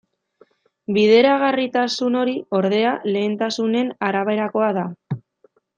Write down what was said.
Bideragarritasun hori, ordea, lehentasunen araberakoa da.